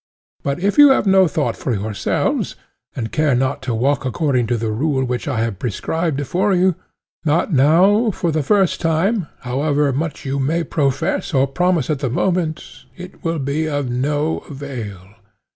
But if you have no thought for yourselves, and care not to walk according to the rule which I have prescribed for you, not now for the first time, however much you may profess or promise at the moment, it will be of no avail.